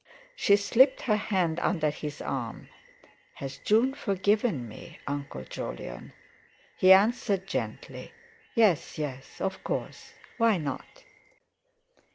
She slipped her hand under his arm: "Has June forgiven me, Uncle Jolyon?" He answered gently: "Yes—yes; of course, why not?"